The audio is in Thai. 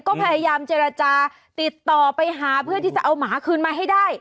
ก็พยายามเจรจาติดต่อไปหาเพื่อที่จะเอาหมาคืนมาให้ได้